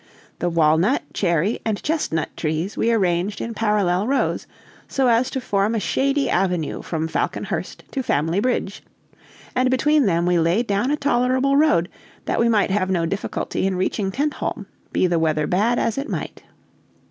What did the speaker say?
The walnut, cherry, and chestnut trees we arranged in parallel rows, so as to form a shady avenue from Falconhurst to Family bridge; and between them we laid down a tolerable road, that we might have no difficulty in reaching Tentholm, be the weather bad as it might.